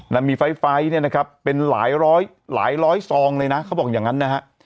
นะมีไฟไฟล์เนี่ยนะครับเป็นหลายร้อยหลายร้อยซองเลยนะเขาบอกอย่างนั้นนะฮะ